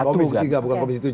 komisi tiga bukan komisi tujuh